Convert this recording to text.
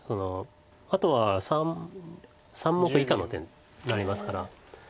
あとは３目以下の手になりますから。